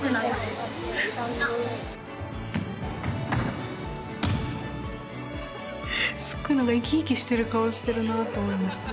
すごい何か生き生きしてる顔してるなと思いました。